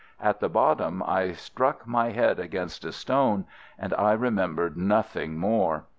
At the bottom I struck my head against a stone, and I remembered nothing more.